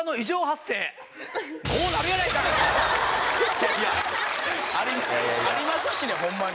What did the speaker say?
いやいやありますしねホンマに。